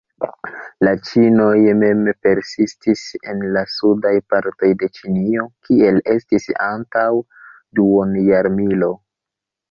La ĉinoj mem persistis en la suda parto de Ĉinio, kiel estis antaŭ duonjarmilo.